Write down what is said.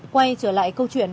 quay trở lại câu chuyện